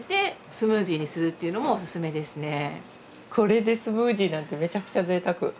これでスムージーなんてめちゃくちゃぜいたく。